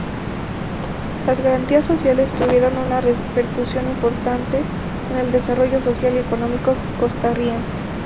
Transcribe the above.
Las Garantías Sociales tuvieron una repercusión importante en el desarrollo social y económico costarricense.